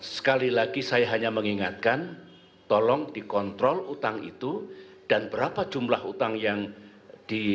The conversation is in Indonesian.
sekali lagi saya hanya mengingatkan tolong dikontrol utang itu dan berapa jumlah utang yang dilakukan oleh pemerintah sekarang ini selama tiga lima tahun